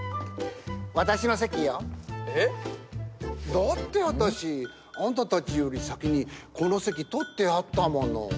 だって私あんたたちより先にこの席取ってあったもの。